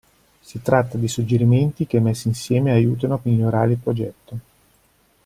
Si tratta di suggerimenti che messi insieme aiutano a migliorare il progetto.